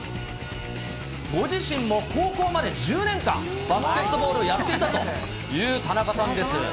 ご自身も高校まで１０年間、バスケットボールをやってたという田中さんです。